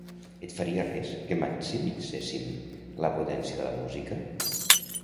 Et faria res que maximitzéssim la potència de la música?